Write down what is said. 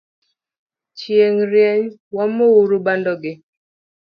Chieng rieny wamouru bando gi